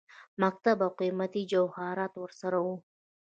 مکتوب او قيمتي جواهراتو ورسره وه.